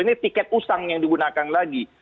ini tiket usang yang digunakan lagi